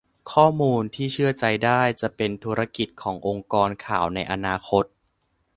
ข้อมูลที่เชื่อใจได้ จะเป็นธุรกิจขององค์กรข่าวในอนาคต